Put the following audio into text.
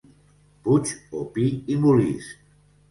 Puig o Pi i Molist.